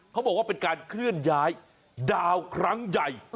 เขาบอกว่าเป็นการเคลื่อนย้ายดาวครั้งใหญ่